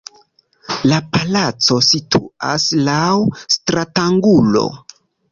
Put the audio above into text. La palaco situas laŭ stratangulo.